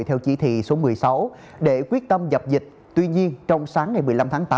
theo chỉ thị số một mươi sáu để quyết tâm dập dịch tuy nhiên trong sáng ngày một mươi năm tháng tám